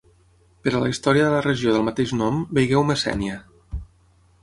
Per a la història de la regió del mateix nom, vegeu Messènia.